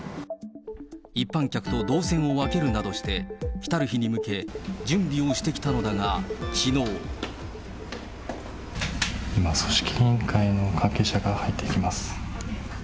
一般客と動線を分けるなどして、きたる日に向け準備をしてき今、組織委員会の関係者が入っていきます。